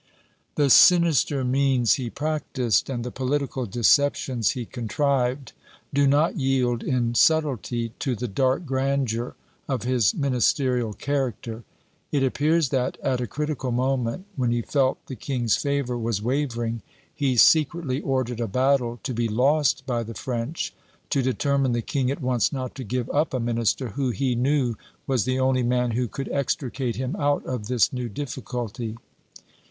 The sinister means he practised, and the political deceptions he contrived, do not yield in subtilty to the dark grandeur of his ministerial character. It appears that, at a critical moment, when he felt the king's favour was wavering, he secretly ordered a battle to be lost by the French, to determine the king at once not to give up a minister who, he knew, was the only man who could extricate him out of this new difficulty.